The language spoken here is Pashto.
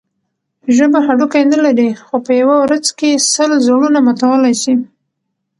ژبه هډوکی نه لري؛ خو په یوه ورځ کښي سل زړونه ماتولای سي.